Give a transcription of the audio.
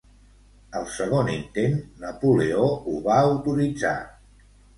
Al segon intent, Napoleó ho va autoritzar.